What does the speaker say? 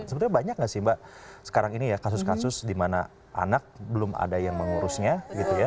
sebenarnya banyak nggak sih mbak sekarang ini ya kasus kasus di mana anak belum ada yang mengurusnya gitu ya